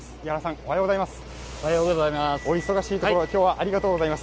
おはようございます。